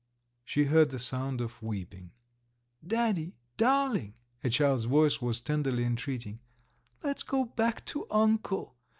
She heard the sound of weeping. "Daddy, darling," a child's voice was tenderly entreating, "let's go back to uncle!